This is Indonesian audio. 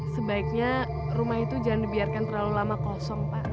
sebaiknya rumah itu jangan dibiarkan terlalu lama kosong pak